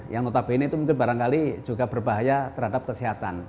yang notabene itu mungkin barangkali juga berbahaya terhadap kesehatan